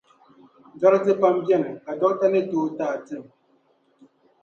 Dɔriti pam beni ka dokta ni tooi t’a tim.